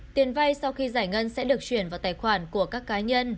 tiền vay sau khi giải ngân sẽ được chuyển vào tài khoản của các cá nhân